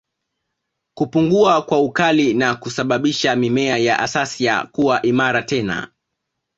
Kupungua kwa ukali na kusababisha mimea ya Acacia kuwa imara tena